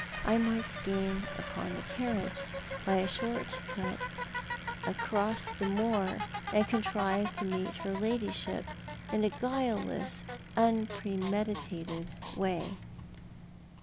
I might gain upon the carriage 'by a short cut across the moor, and contrive to meet her ladyshij), in a guileless, unpremeditated way.